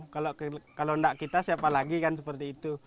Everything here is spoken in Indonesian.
kalau tidak kita siapa lagi kan seperti itu